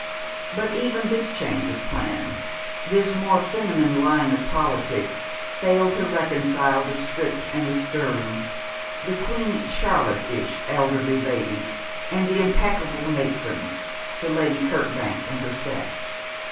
But even this change of plan, this more feminine line of politics failed to reconcile the strict and the stern, the Queen Charlotte ish elderly ladies, and the impeccable matrons, to Lady Kirkbank and her set.